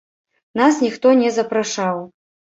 Нас ніхто не запрашаў.